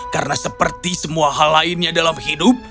karena seperti semua hal lainnya dalam hidup